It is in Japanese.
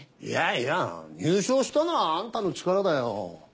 いやいや入賞したのはアンタの力だよ。